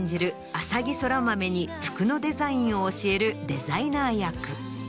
浅葱空豆に服のデザインを教えるデザイナー役。